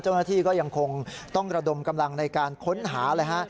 เจ้าหน้าที่ก็ยังคงต้องระดมกำลังในการค้นหาเลยฮะ